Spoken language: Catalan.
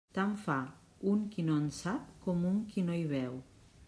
Tant fa un qui no en sap, com un qui no hi veu.